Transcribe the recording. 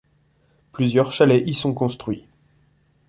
Plusieurs chalets y sont construits.